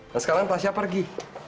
dan sekarang tasya pergi